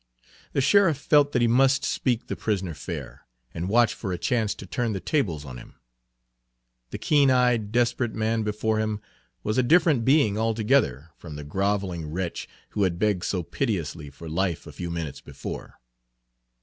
The sheriff felt that he must speak the prisoner fair, and watch for a chance to turn the tables on him. The keen eyed, desperate man before him was a different being altogether from the groveling wretch who had begged so piteously for life a few minutes before.